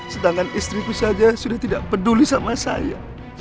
sedangkan istriku saja sudah tidak peduli sama saya